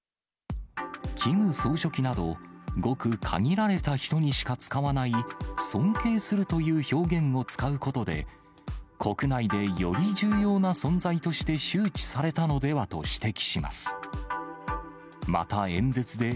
キム総書記など、ごく限られた人にしか使わない、尊敬するという表現を使うことで、国内でより重要な存在として周知されたのではと指摘します。